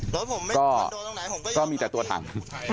นี่เห็นไหมฮะก็มีแต่ตัวต่าง